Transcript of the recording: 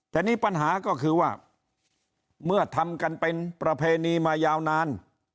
แต่นี่ปัญหาก็คือว่าเมื่อทำกันเป็นประเพณีมายาวนาน